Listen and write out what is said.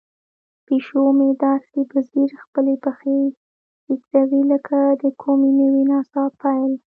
پیشو مې داسې په ځیر خپلې پښې ږدوي لکه د کومې نوې نڅا پیل.